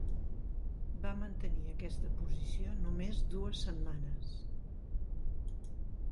Va mantenir aquesta posició només dues setmanes.